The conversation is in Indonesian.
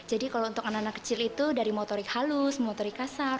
jadi kalau untuk anak anak kecil itu dari motorik halus motorik kasar